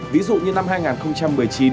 ví dụ như năm hai nghìn một mươi chín